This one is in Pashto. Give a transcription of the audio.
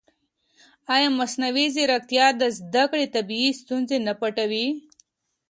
ایا مصنوعي ځیرکتیا د زده کړې طبیعي ستونزې نه پټوي؟